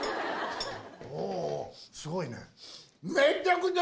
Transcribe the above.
おぉすごいね。